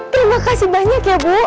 terima kasih banyak ya bu